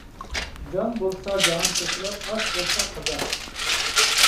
جان بولسا جاھان تېپىلار، ئاش بولسا قازان.